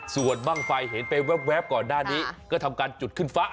ส่วนบ้างไฟเห็นไปแว๊บก่อนหน้านี้ก็ทำการจุดขึ้นฟ้า